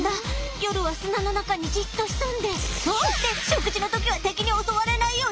夜は砂の中にじっと潜んでそして食事の時は敵に襲われないよう超高速発射！